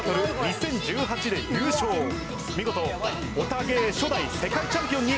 見事ヲタ芸初代世界チャンピオンに